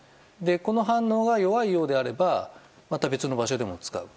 この反応が弱いようであればまた別の場所でも使う。